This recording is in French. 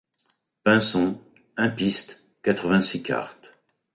Pinson. un pist. quatre-vingt-six cart.